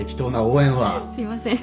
すいません。